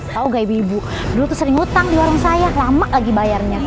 tau gak ibu ibu dulu tuh sering hutang di warung saya lama lagi bayarnya